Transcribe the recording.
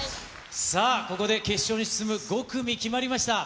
さあ、ここで決勝に進む５組決まりました。